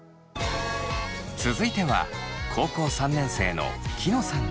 続いては高校３年生のきのさん親子。